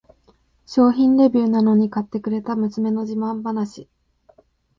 商品レビューなのに買ってくれた娘の自慢話